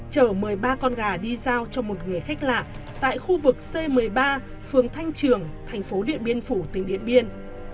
chở một mươi ba con gà đi giao cho một người khách lạ tại khu vực c một mươi ba phường thanh trường thành phố điện biên phủ tỉnh điện biên